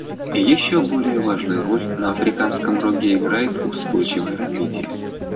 Еще более важную роль на Африканском Роге играет устойчивое развитие.